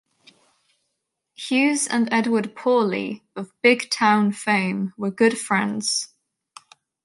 Hughes and Edward Pawley, of "Big Town" fame, were good friends.